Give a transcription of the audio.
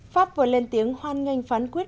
pháp vừa lên tiếng hoan nghênh phán quyết